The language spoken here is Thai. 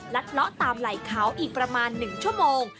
เลาะตามไหล่เขาอีกประมาณ๑ชั่วโมง